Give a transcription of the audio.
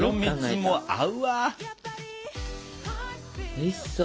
おいしそう。